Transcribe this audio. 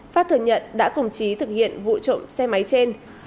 phát thừa nhận đã cùng trí thực hiện vụ trộm xe máy trên